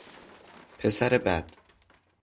پسر بد